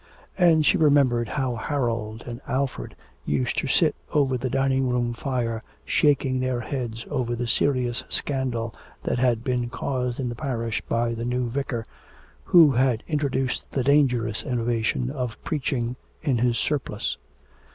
And she remembered how Harold and Alfred used to sit over the dining room fire shaking their heads over the serious scandal that had been caused in the parish by the new Vicar, who had introduced the dangerous innovation of preaching in his surplice.